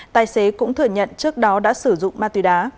tài xế cũng thừa nhận trước đó đã sử dụng mạ tùy đá